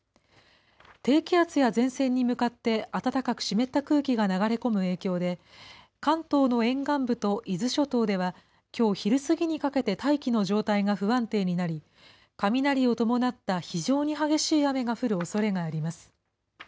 低気圧や前線に向かって暖かく湿った空気が流れ込む影響で、関東の沿岸部と伊豆諸島ではきょう昼過ぎにかけて大気の状態が不安定になり、雷を伴った非常に激しい雨が降るおそれがあります。